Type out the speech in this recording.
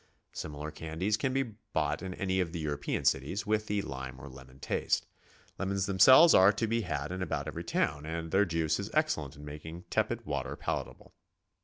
Similar candies can be bought in any of the European cities, with the lime or lemon taste. I.emons themselves are to be had in about every town, and their juice is excellent in making tepid water palatable.